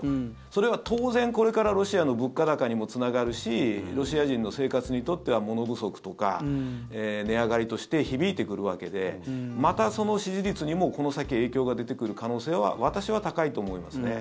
それは当然、これからロシアの物価高にもつながるしロシア人の生活にとっては物不足とか値上がりとして響いてくるわけでまたその支持率にもこの先、影響が出てくる可能性は私は高いと思いますね。